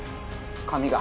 紙が。